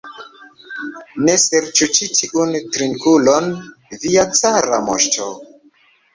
Ne serĉu ĉi tiun drinkulon, via cara moŝto!